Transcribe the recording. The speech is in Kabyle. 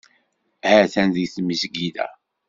Atan deg tmesgida.